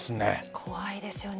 怖いですよね。